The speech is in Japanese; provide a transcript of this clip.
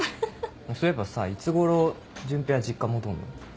そういえばさいつ頃潤平は実家戻んの？